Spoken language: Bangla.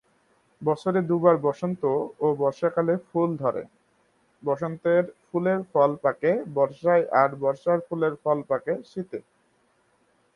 বছরে দু-বার বসন্ত ও বর্ষাকালে ফুল ধরে; বসন্তের ফুলের ফল পাকে বর্ষায় আর বর্ষার ফুলের ফল পাকে শীতে।